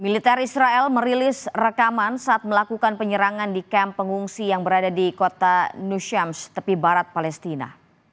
militer israel merilis rekaman saat melakukan penyerangan di kamp pengungsi yang berada di kota nushams tepi barat palestina